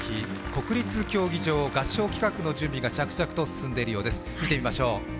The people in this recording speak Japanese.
国立競技場、合唱企画の準備が着々と進んでいるようです。